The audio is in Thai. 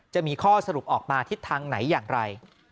จะมีข้อสรุปออกมาทิศทางไหนอย่างไร